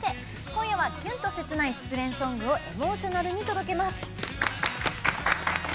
今夜はきゅんと切ない失恋ソングをエモーショナルに届けます。